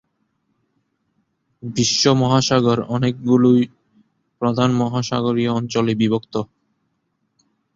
বিশ্ব মহাসাগর অনেকগুলি প্রধান মহাসাগরীয় অঞ্চলে বিভক্ত।